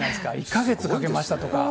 １か月かけましたとか。